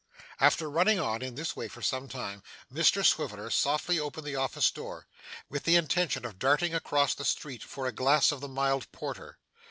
After running on, in this way, for some time, Mr Swiveller softly opened the office door, with the intention of darting across the street for a glass of the mild porter.